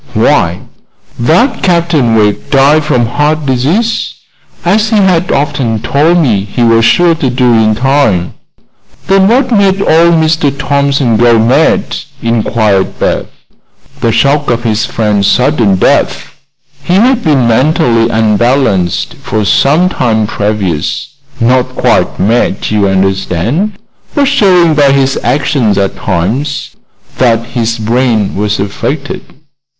Why, that Captain Wegg died from heart disease, as he had often told me he was sure to do in time." "Then what made old Mr. Thompson go mad?" inquired Beth. "The shock of his friend's sudden death. He had been mentally unbalanced for some time previous not quite mad, you understand, but showing by his actions at times that his brain was affected."